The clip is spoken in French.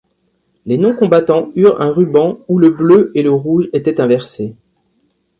Les non-combattants eurent un ruban où le bleu et le rouge étaient inversés.